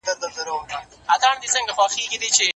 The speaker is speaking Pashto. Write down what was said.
که تبادله وسي نو ستونزي به زياتې سي.